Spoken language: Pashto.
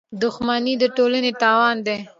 • دښمني د ټولنې تاوان دی.